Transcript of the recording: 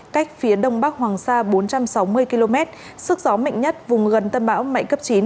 cách phía đông bắc hoàng sa bốn trăm sáu mươi km sức gió mạnh nhất vùng gần tâm bão mạnh cấp chín